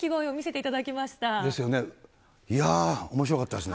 いやー、おもしろかったですね。